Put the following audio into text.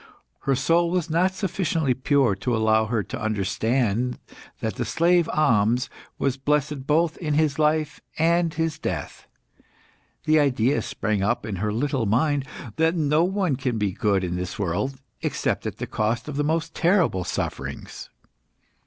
Her soul was not sufficiently pure to allow her to understand that the slave Ahmes was blessed both in his life and his death. The idea sprang up in her little mind that no one can be good in this world except at the cost of the most terrible sufferings.